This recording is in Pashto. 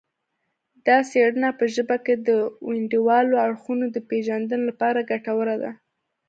دا څیړنه په ژبه کې د ونډوالو اړخونو د پیژندنې لپاره ګټوره ده